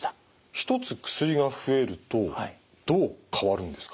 １つ薬が増えるとどう変わるんですか？